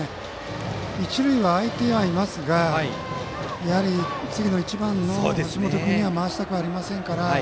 一塁は空いていますがやはり次の１番の橋本君には回したくありませんから。